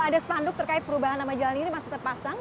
ada spanduk terkait perubahan nama jalan ini masih terpasang